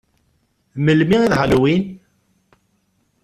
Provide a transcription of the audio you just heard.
Melmi i d Halloween?